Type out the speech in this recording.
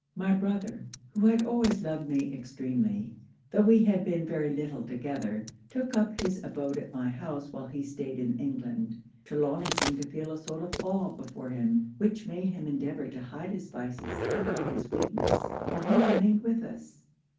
'My brother, who had always loved me extremely, tho' we had been very little together, took up his abode at my house while he staid in England. Trelawny seemed to feel a sort of awe before him, which made him endeavour to hide his vices if not his weakness, while he remained with us.